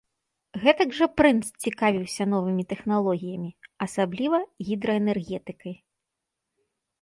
Гэтак жа прынц цікавіўся новымі тэхналогіямі, асабліва гідраэнергетыкай.